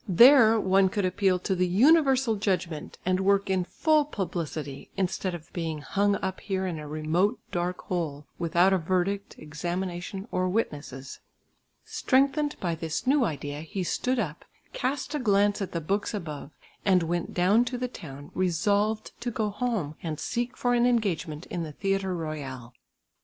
There one could appeal to the universal judgment, and work in full publicity instead of being hung up here in a remote dark hole, without a verdict, examination, or witnesses. Strengthened by this new idea, he stood up, east a glance at the books above, and went down to the town resolved to go home and seek for an engagement in the Theatre Royal.